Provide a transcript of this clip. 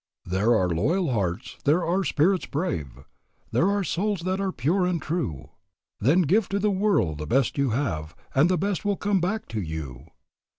"There are loyal hearts, there are spirits brave, There are souls that are pure and true; Then give to the world the best you have, And the best will come back to you.